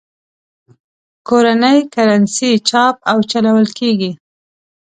کورنۍ کرنسي چاپ او چلول کېږي.